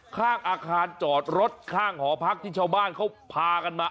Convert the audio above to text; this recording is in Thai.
ข้างอาคารจอดรถข้างหอพักที่ชาวบ้านเขาพากันมา